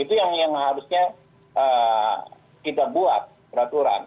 itu yang harusnya kita buat peraturan